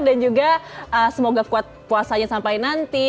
dan juga semoga puasanya sampai nanti